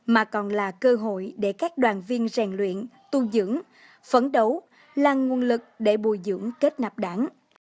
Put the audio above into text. mà còn là cơ hội để các đoàn viên rèn luyện tu dưỡng phấn đấu là nguồn lực để bồi dưỡng kết nạp đảng